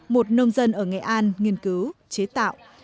một nông dân ở nghệ an nghiên cứu chế tạo